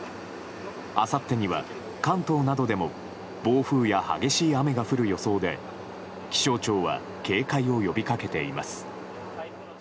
あさってには関東などでも暴風や激しい雨が降る予想で気象庁は警戒を呼びかけています。